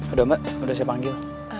udah mbak udah siap panggil